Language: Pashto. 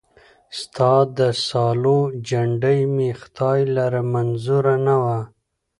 ستا د سالو جنډۍ مي خدای لره منظوره نه وه